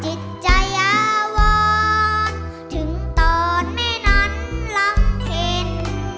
จิตใจาวรถึงตอนแม่นั้นลำเข็น